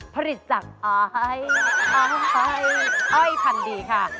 ผลิตจากอายน้ำอ้อยพันธุ์ดีค่ะ